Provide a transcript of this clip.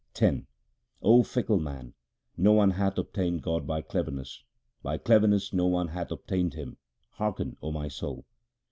X 0 fickle man, no one hath obtained God by cleverness ; By cleverness no one hath obtained Him ; hearken, O my soul.